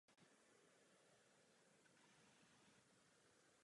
Ve Wittenbergu na univerzitě nabyl mistrovské hodnosti.